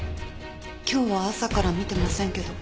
今日は朝から見てませんけど。